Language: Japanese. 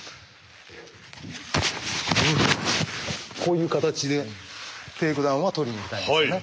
こういう形でテイクダウンは取りにいきたいんですね。